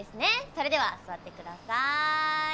それでは座ってください。